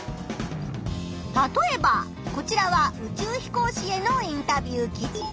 たとえばこちらは宇宙飛行士へのインタビュー記事。